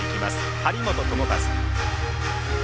張本智和。